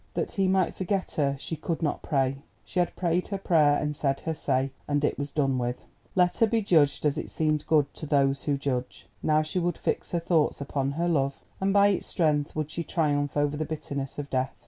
That he might forget her she could not pray. She had prayed her prayer and said her say, and it was done with. Let her be judged as it seemed good to Those who judge! Now she would fix her thoughts upon her love, and by its strength would she triumph over the bitterness of death.